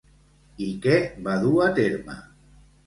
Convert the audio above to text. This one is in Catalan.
I què va dur a terme?